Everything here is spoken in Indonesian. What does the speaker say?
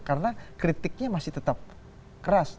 karena kritiknya masih tetap keras